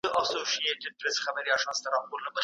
سوسیالیزم به وده وکړي.